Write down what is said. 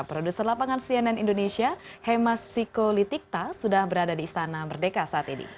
produser lapangan cnn indonesia hemas psikolitikta sudah berada di istana merdeka saat ini